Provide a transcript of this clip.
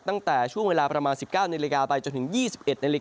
ตั้งแต่ช่วงเวลาประมาณ๑๙นไปจนถึง๒๑น